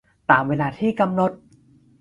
ตามเวลาที่กำหนด